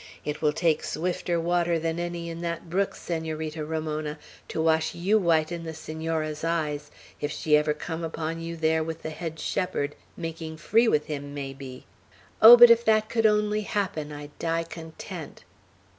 It will take swifter water than any in that brook, Senorita Ramona, to wash you white in the Senora's eyes, if ever she come upon you there with the head shepherd, making free with him, may be! Oh, but if that could only happen, I'd die content!"